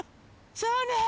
そうね。